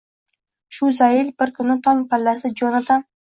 Shu zayl, bir kuni tong pallasi Jonatan